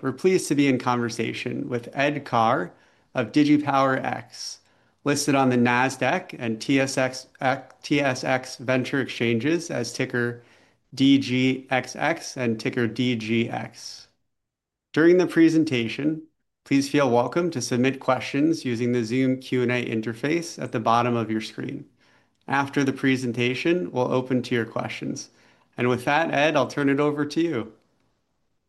We're pleased to be in conversation with Ed Karr of DigiPower X, listed on the NASDAQ and TSX Venture Exchange as ticker DGXX and ticker TGX. During the presentation, please feel welcome to submit questions using the Zoom Q&A interface at the bottom of your screen. After the presentation, we'll open to your questions. With that, Ed, I'll turn it over to you.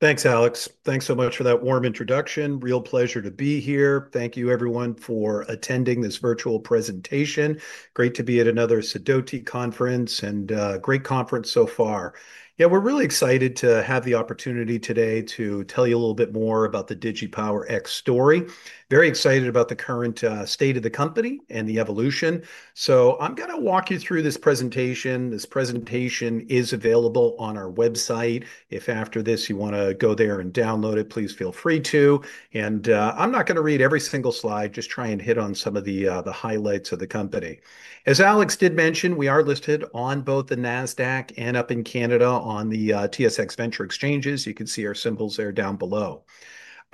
Thanks, Alex. Thanks so much for that warm introduction. Real pleasure to be here. Thank you, everyone, for attending this virtual presentation. Great to be at another Sidoti Conference, and great conference so far. Yeah, we're really excited to have the opportunity today to tell you a little bit more about the DigiPower X story. Very excited about the current state of the company and the evolution. I'm going to walk you through this presentation. This presentation is available on our website. If after this, you want to go there and download it, please feel free to. I'm not going to read every single slide, just try and hit on some of the highlights of the company. As Alex did mention, we are listed on both the NASDAQ and up in Canada on the TSX Venture Exchange. You can see our symbols there down below.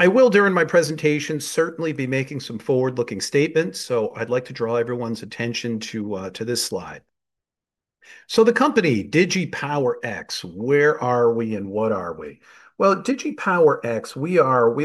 I will, during my presentation, certainly be making some forward-looking statements. I would like to draw everyone's attention to this slide. The company, DigiPower X, where are we and what are we? DigiPower X, we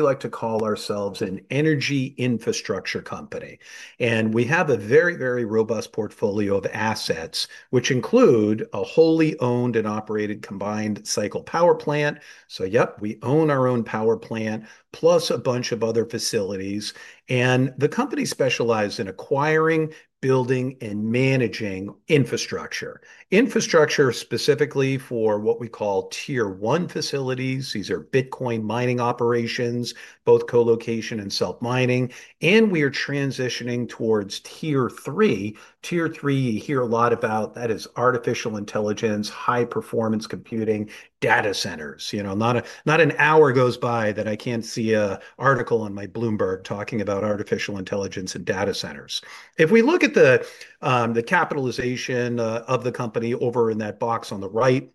like to call ourselves an energy infrastructure company. We have a very, very robust portfolio of assets, which include a wholly owned and operated combined cycle power plant. Yep, we own our own power plant, plus a bunch of other facilities. The company specializes in acquiring, building, and managing infrastructure. Infrastructure specifically for what we call tier one facilities. These are Bitcoin mining operations, both co-location and self-mining. We are transitioning towards Tier-3. Tier-3, you hear a lot about, that is artificial intelligence, high-performance computing, data centers. You know, not an hour goes by that I can't see an article on my Bloomberg talking about artificial intelligence and data centers. If we look at the capitalization of the company over in that box on the right,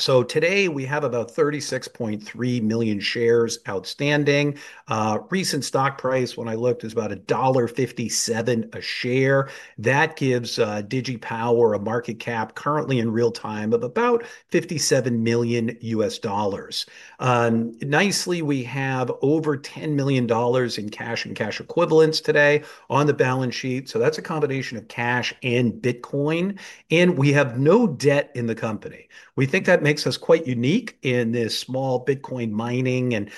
so today we have about $36.3 million shares outstanding. Recent stock price, when I looked, is about $1.57 a share. That gives DigiPower X a market cap currently in real time of about $57 million US dollars. Nicely, we have over $10 million in cash and cash equivalents today on the balance sheet. So that's a combination of cash and Bitcoin. And we have no debt in the company. We think that makes us quite unique in this small Bitcoin mining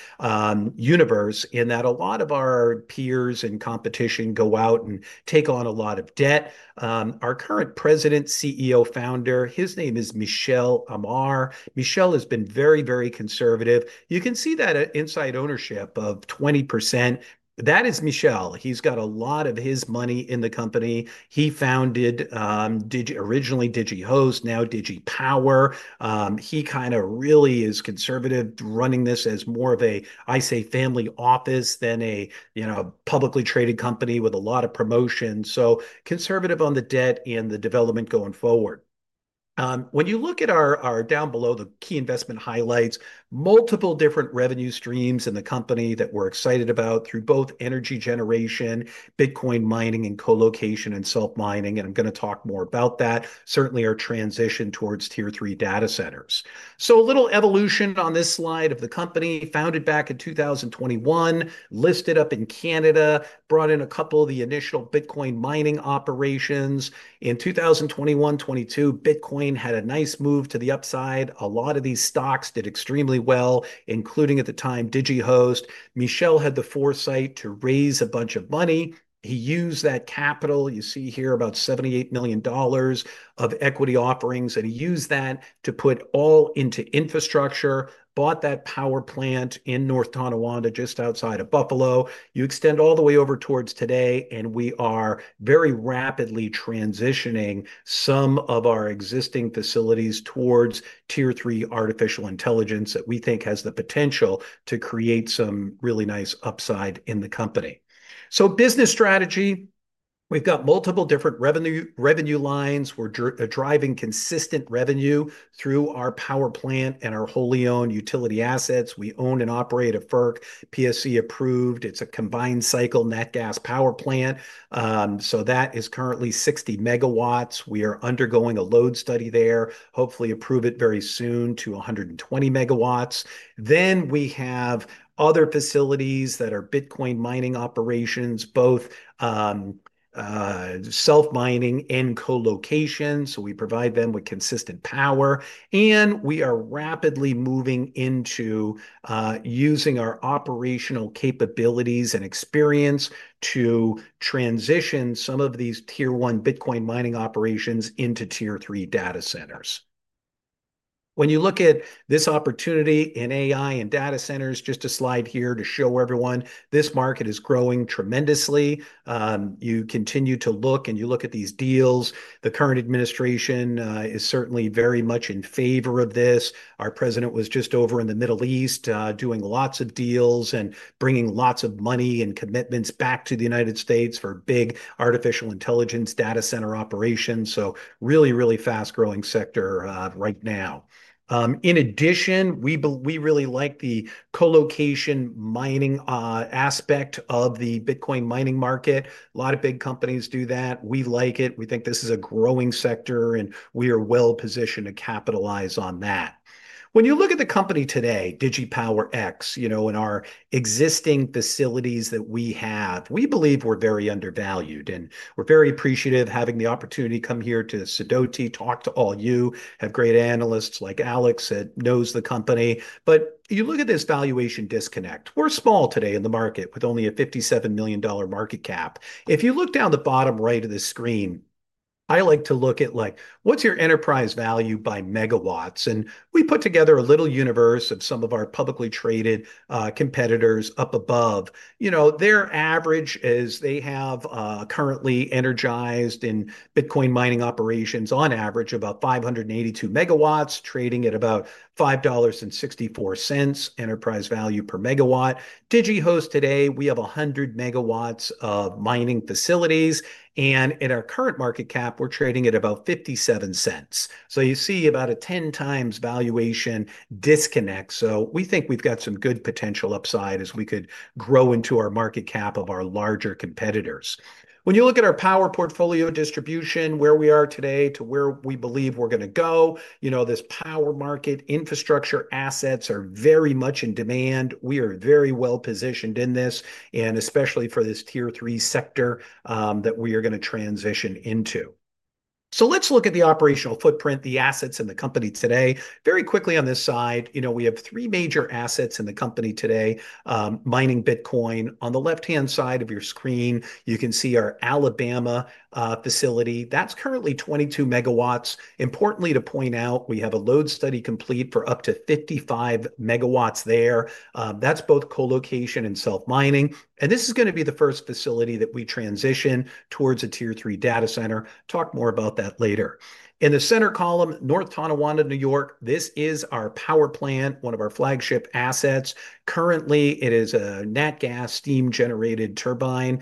universe in that a lot of our peers and competition go out and take on a lot of debt. Our current President, CEO, founder, his name is Michel Amar. Michel has been very, very conservative. You can see that inside ownership of 20%. That is Michel. He's got a lot of his money in the company. He founded originally Digihost, now DigiPower X. He kind of really is conservative, running this as more of a, I say, family office than a publicly traded company with a lot of promotion. Conservative on the debt and the development going forward. When you look at our down below, the key investment highlights, multiple different revenue streams in the company that we're excited about through both energy generation, Bitcoin mining, and colocation and self-mining. I'm going to talk more about that. Certainly, our transition towards Tier-3 data centers. A little evolution on this slide of the company. Founded back in 2021, listed up in Canada, brought in a couple of the initial Bitcoin mining operations. In 2021, 2022, Bitcoin had a nice move to the upside. A lot of these stocks did extremely well, including at the time Digihost. Michel had the foresight to raise a bunch of money. He used that capital, you see here, about $78 million of equity offerings. He used that to put all into infrastructure. Bought that power plant in North Tonawanda just outside of Buffalo. You extend all the way over towards today, and we are very rapidly transitioning some of our existing facilities towards Tier-3 Artificial Intelligence that we think has the potential to create some really nice upside in the company. Business strategy, we've got multiple different revenue lines. We're driving consistent revenue through our power plant and our wholly owned utility assets. We own and operate a FERC, PSC approved. It's a combined cycle natural gas power plant. That is currently 60 MW. We are undergoing a load study there, hopefully approve it very soon to 120 MW. We have other facilities that are Bitcoin mining operations, both self-mining and co-location. We provide them with consistent power. We are rapidly moving into using our operational capabilities and experience to transition some of these Tier-1 Bitcoin mining operations into Tier-3 data centers. When you look at this opportunity in AI and data centers, just a slide here to show everyone, this market is growing tremendously. You continue to look, and you look at these deals. The current administration is certainly very much in favor of this. Our President was just over in the Middle East doing lots of deals and bringing lots of money and commitments back to the United States for big artificial intelligence data center operations. Really, really fast-growing sector right now. In addition, we really like the co-location mining aspect of the Bitcoin mining market. A lot of big companies do that. We like it. We think this is a growing sector, and we are well positioned to capitalize on that. When you look at the company today, DigiPower X, you know, in our existing facilities that we have, we believe we're very undervalued. And we're very appreciative of having the opportunity to come here to Sidoti, talk to all you, have great analysts like Alex that knows the company. You look at this valuation disconnect. We're small today in the market with only a $57 million market cap. If you look down the bottom right of the screen, I like to look at, like, what's your enterprise value by MW? We put together a little universe of some of our publicly traded competitors up above. You know, their average is they have currently energized in Bitcoin mining operations on average about 582 MW, trading at about $5.64 enterprise value per MW. Digihost today, we have 100 MW of mining facilities. In our current market cap, we're trading at about $0.57. You see about a 10x valuation disconnect. We think we've got some good potential upside as we could grow into our market cap of our larger competitors. When you look at our power portfolio distribution, where we are today to where we believe we're going to go, you know, this power market infrastructure assets are very much in demand. We are very well positioned in this, and especially for this Tier-3 sector that we are going to transition into. Let's look at the operational footprint, the assets in the company today. Very quickly on this side, you know, we have three major assets in the company today, mining Bitcoin. On the left-hand side of your screen, you can see our Alabama facility. That's currently 22 MW. Importantly to point out, we have a load study complete for up to 55 MW there. That's both co-location and self-mining. This is going to be the first facility that we transition towards a Tier-3 data center. Talk more about that later. In the center column, North Tonawanda, New York, this is our power plant, one of our flagship assets. Currently, it is a natural gas steam-generated turbine.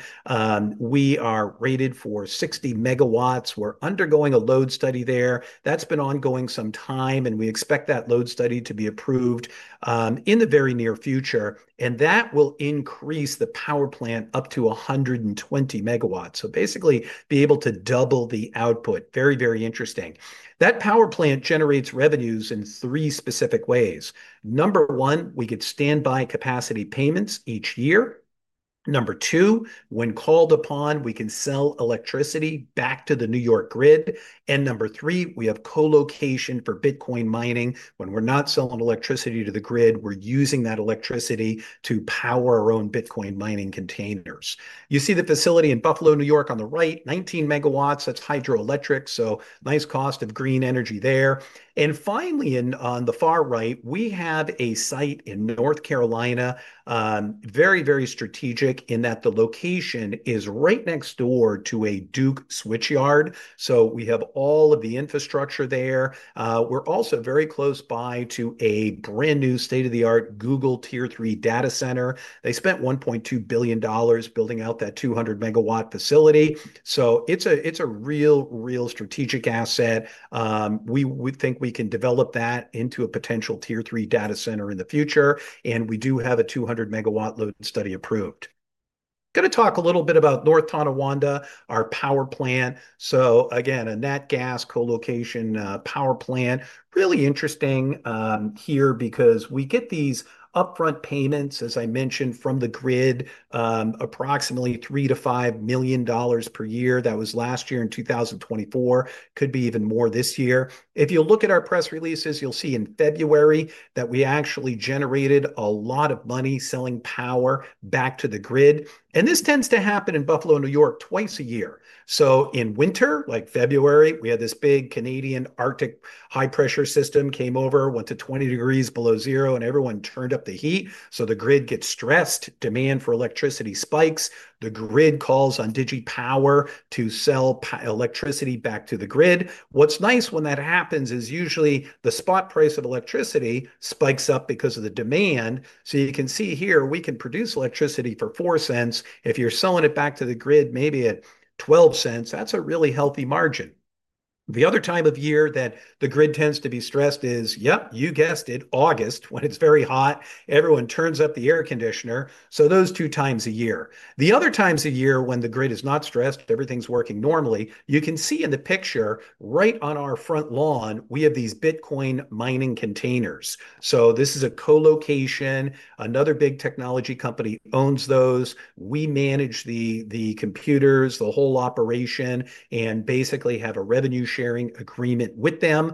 We are rated for 60 MW. We're undergoing a load study there. That's been ongoing some time, and we expect that load study to be approved in the very near future. That will increase the power plant up to 120 MW. Basically, be able to double the output. Very, very interesting. That power plant generates revenues in three specific ways. Number one, we get standby capacity payments each year. Number two, when called upon, we can sell electricity back to the New York grid. Number three, we have co-location for Bitcoin mining. When we're not selling electricity to the grid, we're using that electricity to power our own Bitcoin mining containers. You see the facility in Buffalo, New York on the right, 19 MW. That is hydroelectric. Nice cost of green energy there. Finally, on the far right, we have a site in North Carolina, very, very strategic in that the location is right next door to a Duke Switchyard. We have all of the infrastructure there. We're also very close by to a brand new state-of-the-art Google Tier-3 data center. They spent $1.2 billion building out that 200 MW facility. It is a real, real strategic asset. We think we can develop that into a potential Tier-3 data center in the future. We do have a 200 MW load study approved. Going to talk a little bit about North Tonawanda, our power plant. Again, a natural gas colocation power plant. Really interesting here because we get these upfront payments, as I mentioned, from the grid, approximately $3 million-$5 million per year. That was last year in 2024. Could be even more this year. If you look at our press releases, you will see in February that we actually generated a lot of money selling power back to the grid. This tends to happen in Buffalo, New York, twice a year. In winter, like February, we had this big Canadian Arctic high pressure system come over, went to 20 degrees below zero, and everyone turned up the heat. The grid gets stressed, demand for electricity spikes. The grid calls on DigiPower X to sell electricity back to the grid. What's nice when that happens is usually the spot price of electricity spikes up because of the demand. You can see here, we can produce electricity for $0.04. If you're selling it back to the grid, maybe at $0.12, that's a really healthy margin. The other time of year that the grid tends to be stressed is, yep, you guessed it, August, when it's very hot. Everyone turns up the air conditioner. Those two times a year. The other times a year when the grid is not stressed, everything's working normally. You can see in the picture right on our front lawn, we have these Bitcoin mining containers. This is a co-location. Another big technology company owns those. We manage the computers, the whole operation, and basically have a revenue-sharing agreement with them.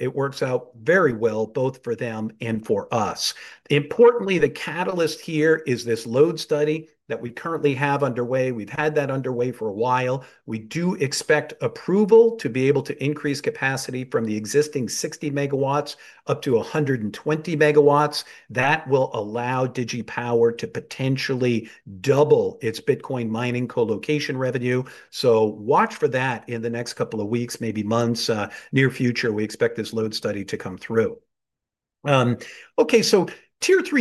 It works out very well both for them and for us. Importantly, the catalyst here is this load study that we currently have underway. We've had that underway for a while. We do expect approval to be able to increase capacity from the existing 60 MW up to 120 MW. That will allow DigiPower X to potentially double its Bitcoin mining colocation revenue. Watch for that in the next couple of weeks, maybe months, near future. We expect this load study to come through. Tier-3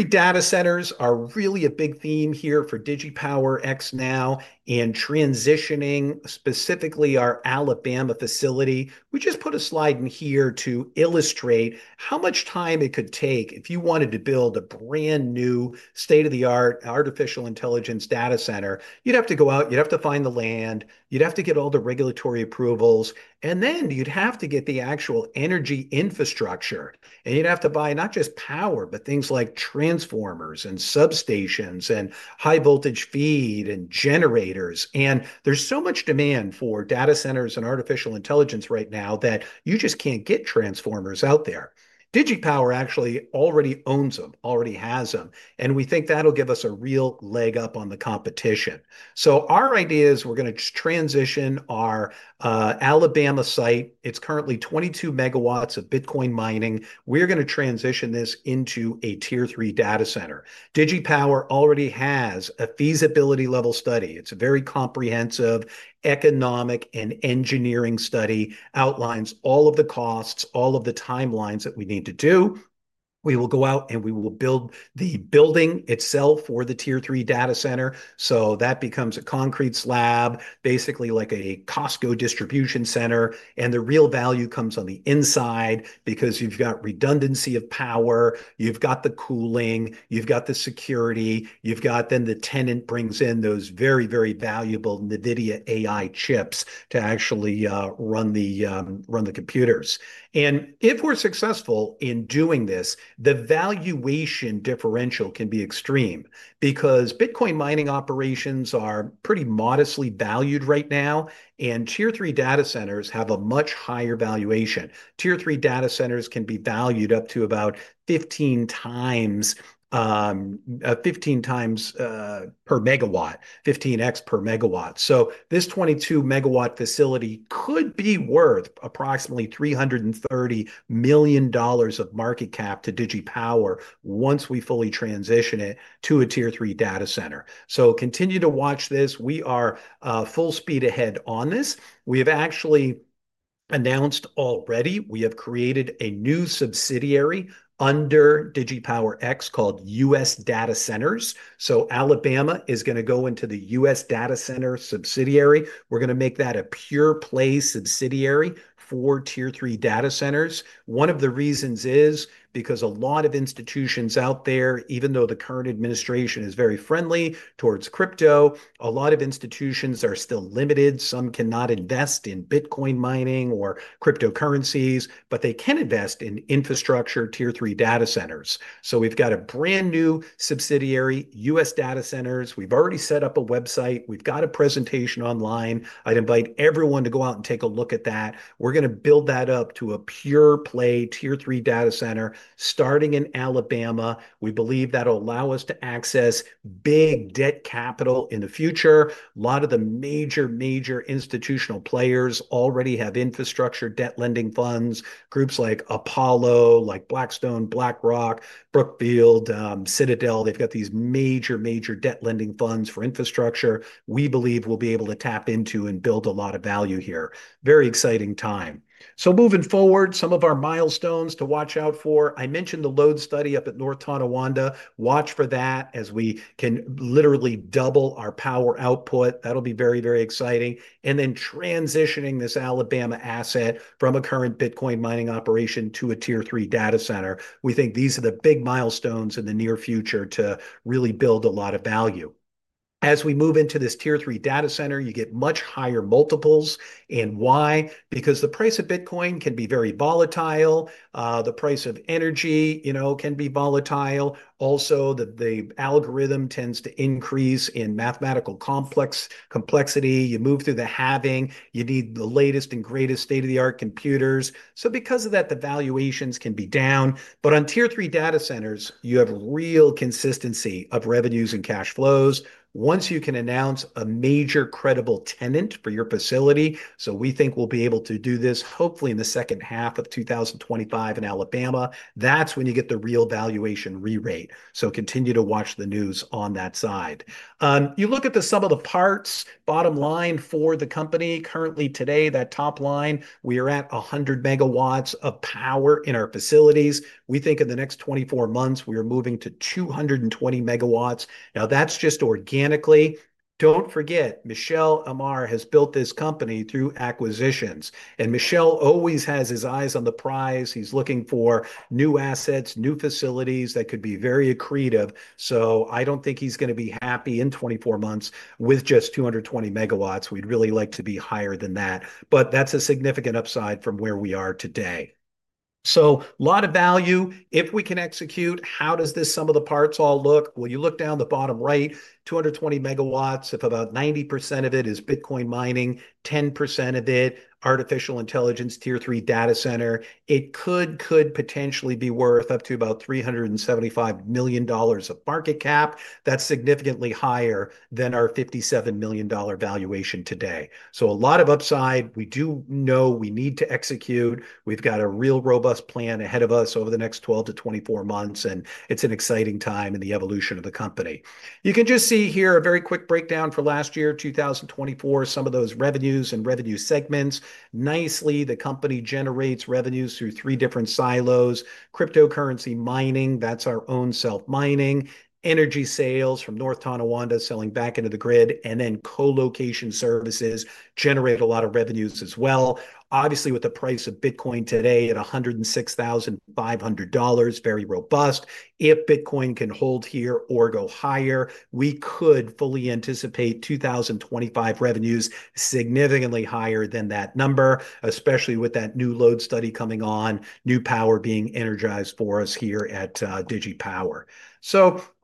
data centers are really a big theme here for DigiPower X now and transitioning, specifically our Alabama facility. We just put a slide in here to illustrate how much time it could take if you wanted to build a brand new state-of-the-art artificial intelligence data center. You'd have to go out, you'd have to find the land, you'd have to get all the regulatory approvals, and then you'd have to get the actual energy infrastructure. You'd have to buy not just power, but things like transformers and substations and high voltage feed and generators. There is so much demand for data centers and artificial intelligence right now that you just can't get transformers out there. DigiPower X actually already owns them, already has them. We think that'll give us a real leg up on the competition. Our idea is we're going to transition our Alabama site. It's currently 22 MW of Bitcoin mining. We're going to transition this into a Tier-3 data center. DigiPower X already has a feasibility level study. It's a very comprehensive economic and engineering study. Outlines all of the costs, all of the timelines that we need to do. We will go out and we will build the building itself for the Tier-3 data center. That becomes a concrete slab, basically like a Costco Distribution Center. The real value comes on the inside because you've got redundancy of power. You've got the cooling, you've got the security, you've got then the tenant brings in those very, very valuable NVIDIA AI chips to actually run the computers. If we're successful in doing this, the valuation differential can be extreme because Bitcoin mining operations are pretty modestly valued right now. Tier-3 data centers have a much higher valuation. Tier-3 data centers can be valued up to about 15x per MW, 15x per MW. This 22 MW facility could be worth approximately $330 million of market cap to DigiPower X once we fully transition it to a Tier-3 data center. Continue to watch this. We are full speed ahead on this. We have actually announced already. We have created a new subsidiary under DigiPower X called US Data Centers. Alabama is going to go into the US Data Centers subsidiary. We are going to make that a pure play subsidiary for Tier-3 data centers. One of the reasons is because a lot of institutions out there, even though the current administration is very friendly towards crypto, a lot of institutions are still limited. Some cannot invest in Bitcoin mining or cryptocurrencies, but they can invest in infrastructure Tier-3 data centers. We have got a brand new subsidiary, US Data Centers. We have already set up a website. We have got a presentation online. I'd invite everyone to go out and take a look at that. We're going to build that up to a pure play Tier-3 data center starting in Alabama. We believe that'll allow us to access big debt capital in the future. A lot of the major, major institutional players already have infrastructure debt lending funds, groups like Apollo, like Blackstone, BlackRock, Brookfield, Citadel. They've got these major, major debt lending funds for infrastructure. We believe we'll be able to tap into and build a lot of value here. Very exciting time. Moving forward, some of our milestones to watch out for. I mentioned the load study up at North Tonawanda. Watch for that as we can literally double our power output. That'll be very, very exciting. Then transitioning this Alabama asset from a current Bitcoin mining operation to a Tier-3 data center. We think these are the big milestones in the near future to really build a lot of value. As we move into this Tier-3 data center, you get much higher multiples. And why? Because the price of Bitcoin can be very volatile. The price of energy, you know, can be volatile. Also, the algorithm tends to increase in mathematical complexity. You move through the halving, you need the latest and greatest state-of-the-art computers. So because of that, the valuations can be down. But on Tier-3 data centers, you have real consistency of revenues and cash flows. Once you can announce a major credible tenant for your facility, we think we'll be able to do this hopefully in the second half of 2025 in Alabama, that's when you get the real valuation re-rate. Continue to watch the news on that side. You look at the sum of the parts, bottom line for the company currently today, that top line, we are at 100 MW of power in our facilities. We think in the next 24 months, we are moving to 220 MW. Now that's just organically. Don't forget, Michel Amar has built this company through acquisitions. And Michel always has his eyes on the prize. He's looking for new assets, new facilities that could be very accretive. So I don't think he's going to be happy in 24 months with just 220 MW. We'd really like to be higher than that. But that's a significant upside from where we are today. So a lot of value. If we can execute, how does this sum of the parts all look? You look down the bottom right, 220 MW. If about 90% of it is Bitcoin mining, 10% of it artificial intelligence Tier-3 data center, it could potentially be worth up to about $375 million of market cap. That is significantly higher than our $57 million valuation today. A lot of upside. We do know we need to execute. We have got a real robust plan ahead of us over the next 12-24 months. It is an exciting time in the evolution of the company. You can just see here a very quick breakdown for last year, 2024, some of those revenues and revenue segments. Nicely, the company generates revenues through three different silos: cryptocurrency mining, that is our own self-mining; energy sales from North Tonawanda selling back into the grid; and then co-location services generate a lot of revenues as well. Obviously, with the price of Bitcoin today at $106,500, very robust. If Bitcoin can hold here or go higher, we could fully anticipate 2025 revenues significantly higher than that number, especially with that new load study coming on, new power being energized for us here at DigiPower X.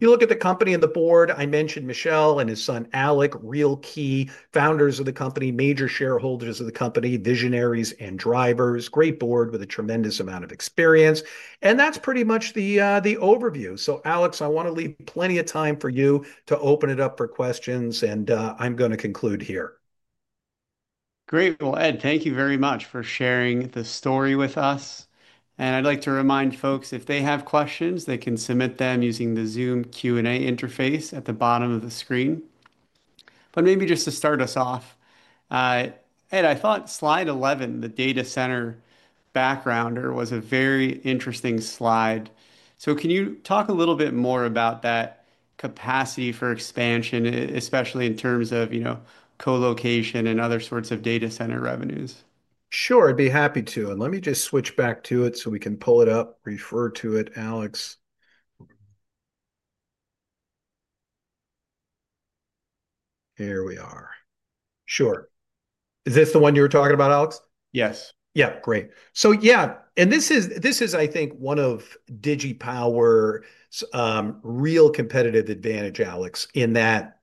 You look at the company and the board. I mentioned Michel and his son, Alec, real key founders of the company, major shareholders of the company, visionaries and drivers. Great board with a tremendous amount of experience. That's pretty much the overview. Alex, I want to leave plenty of time for you to open it up for questions. I'm going to conclude here. Great. Ed, thank you very much for sharing the story with us. I'd like to remind folks, if they have questions, they can submit them using the Zoom Q&A interface at the bottom of the screen. Maybe just to start us off, Ed, I thought slide 11, the data center backgrounder, was a very interesting slide. Can you talk a little bit more about that capacity for expansion, especially in terms of, you know, co-location and other sorts of data center revenues? Sure, I'd be happy to. Let me just switch back to it so we can pull it up, refer to it, Alex. Here we are. Is this the one you were talking about, it? Yes. Yeah, great. This is, I think, one of DigiPower's real competitive advantage, Alex, in that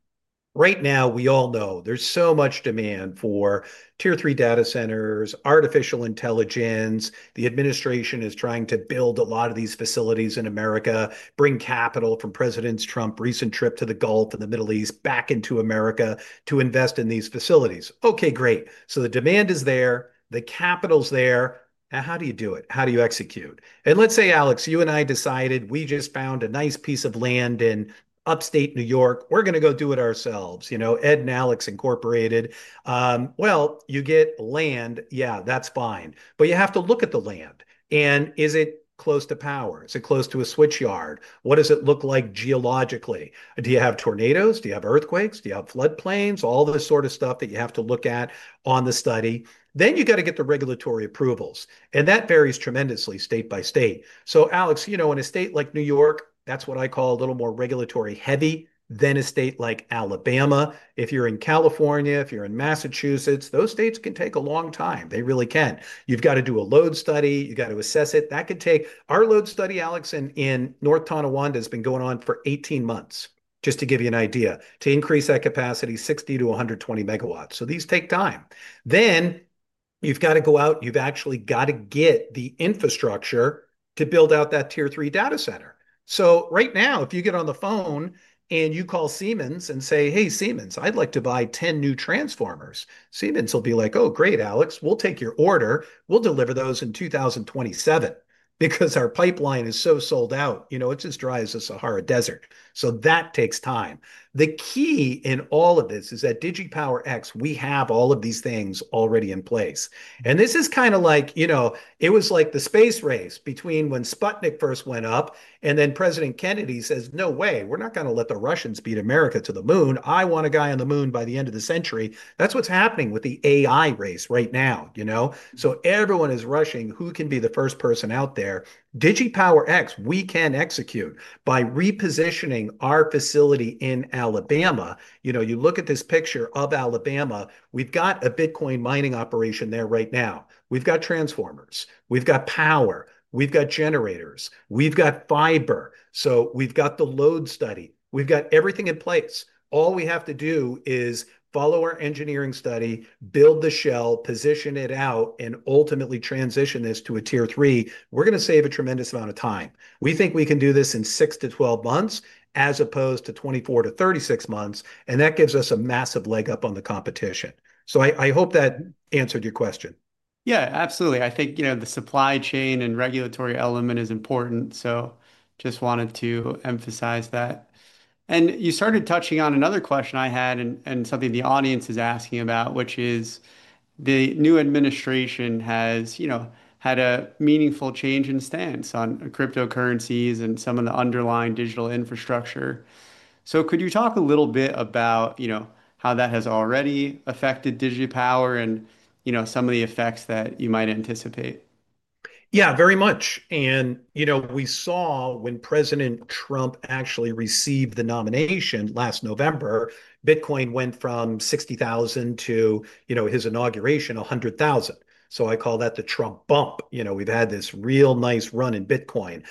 right now we all know there's so much demand for Tier-3 data centers, artificial intelligence. The administration is trying to build a lot of these facilities in America, bring capital from President Trump's recent trip to the Gulf and the Middle East back into America to invest in these facilities. Okay, great. The demand is there, the capital's there. Now, how do you do it? How do you execute? Let's say, Alex, you and I decided we just found a nice piece of land in upstate New York. We're going to go do it ourselves, you know, Ed and Alex incorporated. You get land, yeah, that's fine. You have to look at the land. Is it close to power? Is it close to a switchyard? What does it look like geologically? Do you have tornadoes? Do you have earthquakes? Do you have floodplains? All this sort of stuff that you have to look at on the study. You got to get the regulatory approvals. That varies tremendously state by state. Alex, you know, in a state like New York, that's what I call a little more regulatory heavy than a state like Alabama. If you're in California, if you're in Massachusetts, those states can take a long time. They really can. You got to do a load study. You got to assess it. That could take our load study, Alex, in North Tonawanda has been going on for 18 months, just to give you an idea, to increase that capacity, 60 to 120 MW. These take time. You got to go out. You actually got to get the infrastructure to build out that Tier-3 data center. Right now, if you get on the phone and you call Siemens and say, "Hey, Siemens, I'd like to buy 10 new transformers," Siemens will be like, "Oh, great, Alex, we'll take your order. We'll deliver those in 2027 because our pipeline is so sold out. You know, it just dries the Sahara Desert." That takes time. The key in all of this is that DigiPower X, we have all of these things already in place. This is kind of like, you know, it was like the space race between when Sputnik first went up and then President Kennedy says, "No way, we're not going to let the Russians beat America to the moon. I want a guy on the moon by the end of the century." That's what's happening with the AI race right now, you know? Everyone is rushing who can be the first person out there. DigiPower X, we can execute by repositioning our facility in Alabama. You know, you look at this picture of Alabama, we have a Bitcoin mining operation there right now. We have transformers. We have power. We have generators. We have fiber. We have the load study. We have everything in place. All we have to do is follow our engineering study, build the shell, position it out, and ultimately transition this to a Tier-3. We are going to save a tremendous amount of time. We think we can do this in 6-12 months as opposed to 24-36 months. That gives us a massive leg up on the competition. I hope that answered your question. Yeah, absolutely. I think, you know, the supply chain and regulatory element is important. Just wanted to emphasize that. You started touching on another question I had and something the audience is asking about, which is the new administration has, you know, had a meaningful change in stance on cryptocurrencies and some of the underlying digital infrastructure. Could you talk a little bit about, you know, how that has already affected DigiPower and, you know, some of the effects that you might anticipate? Yeah, very much. You know, we saw when President Trump actually received the nomination last November, Bitcoin went from $60,000 to, you know, his inauguration, $100,000. I call that the Trump bump. You know, we've had this real nice run in Bitcoin.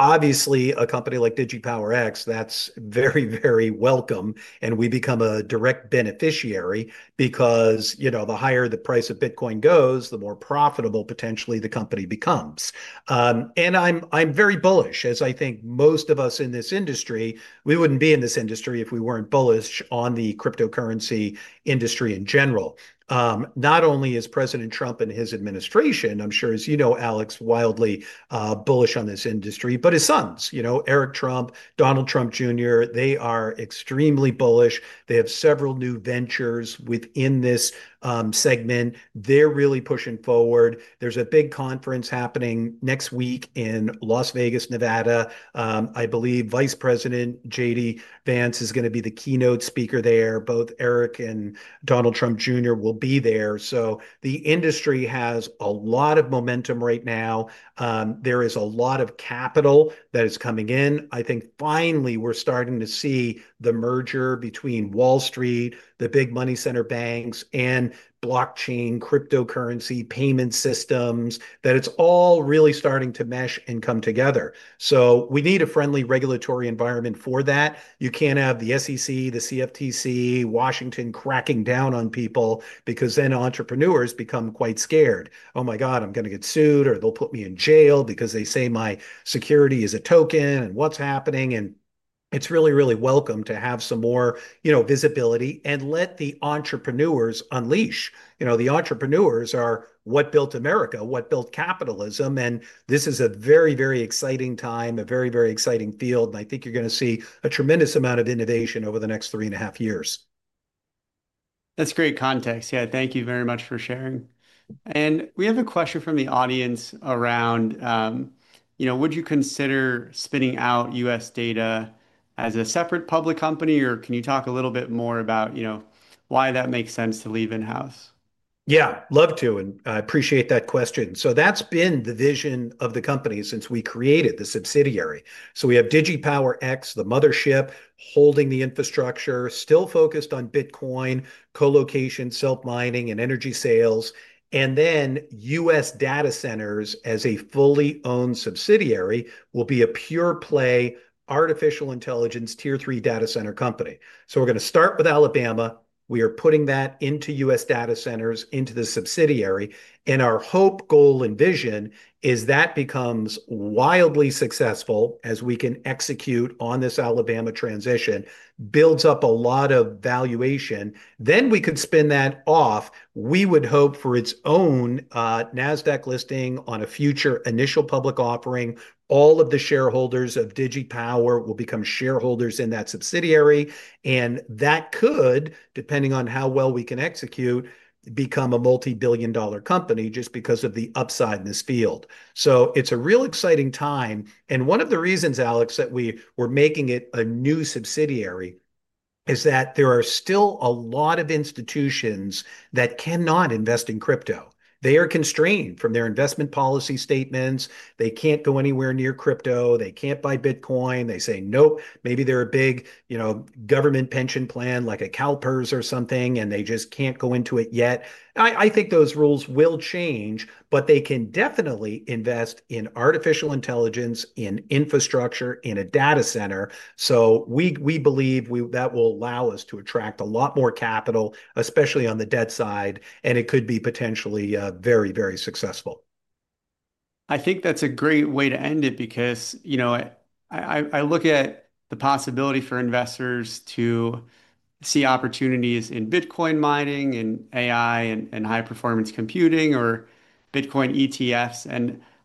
Obviously, a company like DigiPower X, that's very, very welcome. We become a direct beneficiary because, you know, the higher the price of Bitcoin goes, the more profitable potentially the company becomes. I'm very bullish, as I think most of us in this industry, we wouldn't be in this industry if we weren't bullish on the cryptocurrency industry in general. Not only is President Trump and his administration, I'm sure, as you know, Alex, wildly bullish on this industry, but his sons, you know, Eric Trump, Donald Trump Jr., they are extremely bullish. They have several new ventures within this segment. They're really pushing forward. There's a big conference happening next week in Las Vegas, Nevada. I believe Vice President JD Vance is going to be the keynote speaker there. Both Eric and Donald Trump Jr. will be there. The industry has a lot of momentum right now. There is a lot of capital that is coming in. I think finally we're starting to see the merger between Wall Street, the big money center banks, and blockchain, cryptocurrency payment systems, that it's all really starting to mesh and come together. We need a friendly regulatory environment for that. You can't have the SEC, the CFTC, Washington cracking down on people because then entrepreneurs become quite scared. Oh my God, I'm going to get sued or they'll put me in jail because they say my security is a token and what's happening. It's really, really welcome to have some more, you know, visibility and let the entrepreneurs unleash. You know, the entrepreneurs are what built America, what built capitalism. This is a very, very exciting time, a very, very exciting field. I think you're going to see a tremendous amount of innovation over the next three and a half years. That's great context. Yeah, thank you very much for sharing. We have a question from the audience around, you know, would you consider spinning out U.S. data as a separate public company? Or can you talk a little bit more about, you know, why that makes sense to leave in-house? Yeah, love to. I appreciate that question. That's been the vision of the company since we created the subsidiary. We have DigiPower X, the mothership, holding the infrastructure, still focused on Bitcoin, colocation, self-mining, and energy sales. Then U.S. data centers as a fully owned subsidiary will be a pure play artificial intelligence tier three data center company. We're going to start with Alabama. We are putting that into U.S. Data Centers, into the subsidiary. Our hope, goal, and vision is that becomes wildly successful as we can execute on this Alabama transition, builds up a lot of valuation. We could spin that off. We would hope for its own NASDAQ listing on a future initial public offering. All of the shareholders of DigiPower will become shareholders in that subsidiary. That could, depending on how well we can execute, become a multi-billion dollar company just because of the upside in this field. It is a real exciting time. One of the reasons, Alex, that we were making it a new subsidiary is that there are still a lot of institutions that cannot invest in crypto. They are constrained from their investment policy statements. They cannot go anywhere near crypto. They cannot buy Bitcoin. They say, "Nope." Maybe they're a big, you know, government pension plan like a CalPERS or something, and they just can't go into it yet. I think those rules will change, but they can definitely invest in artificial intelligence, in infrastructure, in a data center. We believe that will allow us to attract a lot more capital, especially on the debt side. It could be potentially very, very successful. I think that's a great way to end it because, you know, I look at the possibility for investors to see opportunities in Bitcoin mining, in AI and high-performance computing, or Bitcoin ETFs.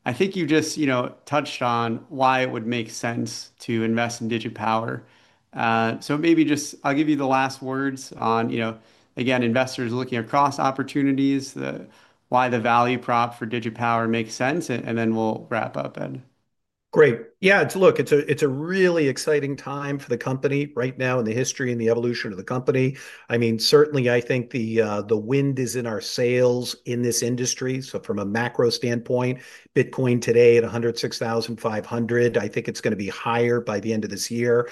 I think you just, you know, touched on why it would make sense to invest in DigiPower. Maybe just I'll give you the last words on, you know, again, investors looking across opportunities, why the value prop for DigiPower makes sense. Then we'll wrap up, Ed. Great. Yeah, it's a look, it's a really exciting time for the company right now in the history and the evolution of the company. I mean, certainly, I think the wind is in our sails in this industry. From a macro standpoint, Bitcoin today at $106,500, I think it's going to be higher by the end of this year.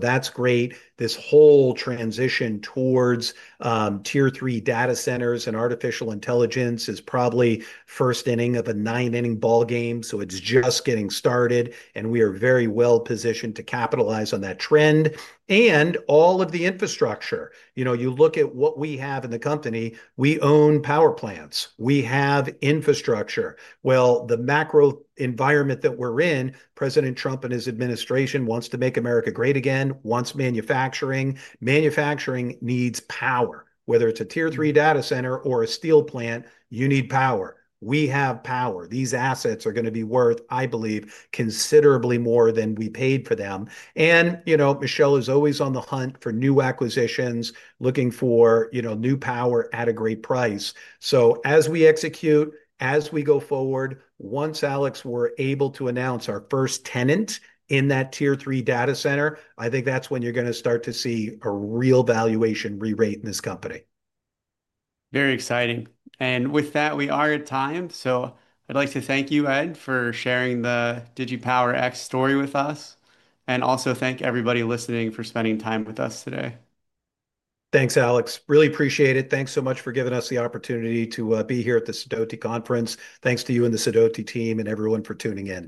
That's great. This whole transition towards Tier-3 data centers and artificial intelligence is probably first inning of a nine-inning ballgame. It's just getting started. We are very well positioned to capitalize on that trend. All of the infrastructure, you know, you look at what we have in the company. We own power plants. We have infrastructure. The macro environment that we're in, President Trump and his administration wants to make America great again, wants manufacturing. Manufacturing needs power. Whether it's a Tier-3 data center or a steel plant, you need power. We have power. These assets are going to be worth, I believe, considerably more than we paid for them. And, you know, Michel is always on the hunt for new acquisitions, looking for, you know, new power at a great price. As we execute, as we go forward, once, Alex, we're able to announce our first tenant in that Tier-3 data center, I think that's when you're going to start to see a real valuation rerate in this company. Very exciting. With that, we are at time. I'd like to thank you, Ed, for sharing the DigiPower X story with us. I also thank everybody listening for spending time with us today. Thanks, Alex. Really appreciate it. Thanks so much for giving us the opportunity to be here at the Sudoku Conference. Thanks to you and the Sidoti team and everyone for tuning in.